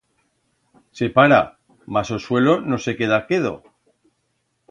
Se para, mas o suelo no se queda quedo.